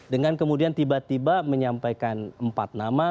dengan kemudian tiba tiba menyampaikan empat nama